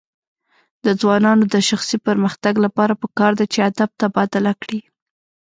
د ځوانانو د شخصي پرمختګ لپاره پکار ده چې ادب تبادله کړي.